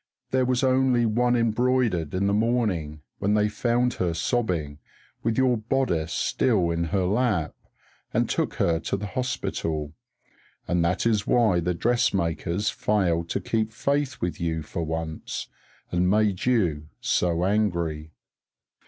There was only one embroidered in the morning, when they found her sobbing, with your bodice still in her lap, and took her to the hospital; and that is why the dressmakers failed to keep faith with you for once, and made you so angry.